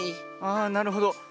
あなるほど。